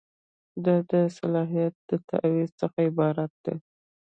دا د صلاحیت د تعویض څخه عبارت دی.